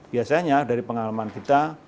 biasanya dari pengalaman kita